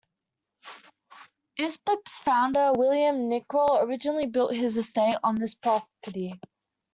Islip's founder, William Nicoll, originally built his estate on this property.